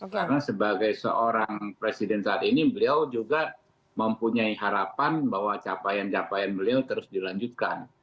karena sebagai seorang presiden saat ini beliau juga mempunyai harapan bahwa capaian capaian beliau terus dilanjutkan